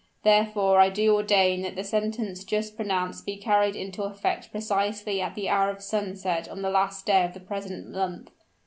Therefore I do ordain that the sentence just pronounced be carried into effect precisely at the hour of sunset on the last day of the present month!"